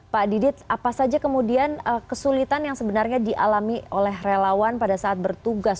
pak didit apa saja kemudian kesulitan yang sebenarnya dialami oleh relawan pada saat bertugas